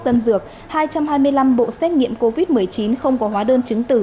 tân dược hai trăm hai mươi năm bộ xét nghiệm covid một mươi chín không có hóa đơn chứng từ